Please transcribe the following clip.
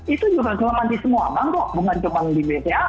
itu juga kelemahan di semua bangkok bukan cuma di bca